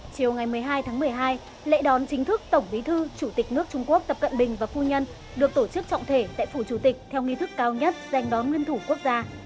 chiều ngày một mươi hai tháng một mươi hai lễ đón chính thức tổng bí thư chủ tịch nước trung quốc tập cận bình và phu nhân được tổ chức trọng thể tại phủ chủ tịch theo nghi thức cao nhất danh đón nguyên thủ quốc gia